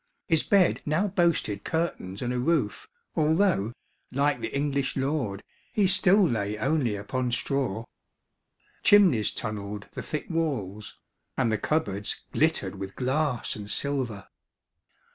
His bed now boasted curtains and a roof, although, like the English lord, he still lay only upon straw. Chimneys tunnelled the thick walls, and the cupboards glittered with glass and silver.